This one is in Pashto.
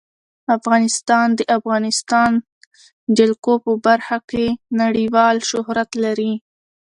افغانستان د د افغانستان جلکو په برخه کې نړیوال شهرت لري.